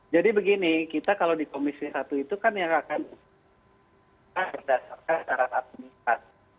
jadi begini kita kalau di komisi satu itu kan yang akan berdasarkan syarat aktivitas